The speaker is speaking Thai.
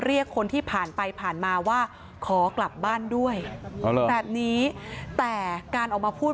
เรียกคนที่ผ่านไปผ่านมาว่าขอกลับบ้านด้วยแบบนี้แต่การออกมาพูด